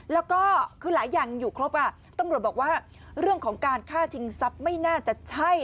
แล้วก็คือหลายอย่างอยู่ครบตำรวจบอกว่าเรื่องของการฆ่าชิงทรัพย์ไม่น่าจะใช่